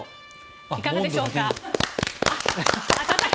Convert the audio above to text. いかがでしょうか。